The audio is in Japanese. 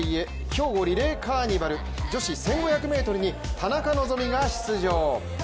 兵庫リレーカーニバル女子１５００ｍに田中希実が出場。